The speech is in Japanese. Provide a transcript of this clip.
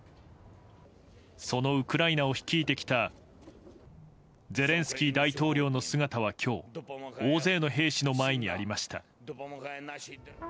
そのウクライナを率いてきたゼレンスキー大統領の姿は今日大勢の兵士の前にありました。